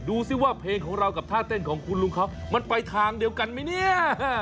ดูสิว่าเพลงของเรากับท่าเต้นของคุณลุงเขามันไปทางเดียวกันไหมเนี่ย